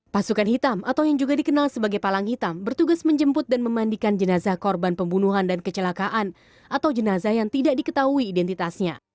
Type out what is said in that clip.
pasukan hitam atau yang juga dikenal sebagai palang hitam bertugas menjemput dan memandikan jenazah korban pembunuhan dan kecelakaan atau jenazah yang tidak diketahui identitasnya